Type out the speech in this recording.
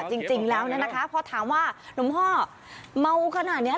จริงจริงแล้วนะนะคะเพราะถามว่าหลวงพ่อเมาขนาดเนี้ย